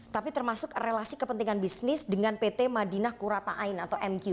tapi termasuk relasi kepentingan bisnis dengan pt madinah kurata ain atau mq